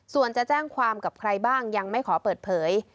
ส่วนจะแจ้งความกับใครบ้างยังไม่ขอเปิดเผย